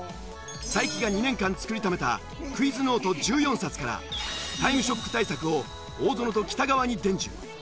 才木が２年間作りためたクイズノート１４冊から『タイムショック』対策を大園と北川に伝授。